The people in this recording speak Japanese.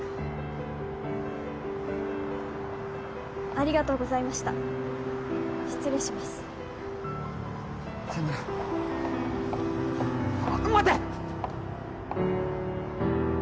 ありがとうございました失礼しますさようなら待って！